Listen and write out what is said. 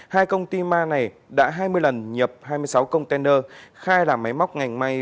hai công ty ma này đã hai mươi lần nhập hai mươi sáu container khai là máy móc ngành may